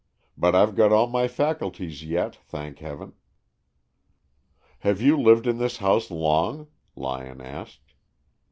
But I've got all my faculties yet, thank Heaven." "Have you lived in this house long?" Lyon asked.